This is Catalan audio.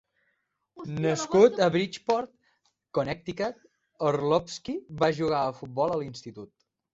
Nascut a Bridgeport, Connecticut, Orlovsky va jugar a futbol a l'institut.